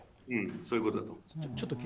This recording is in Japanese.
そういうことだと思います。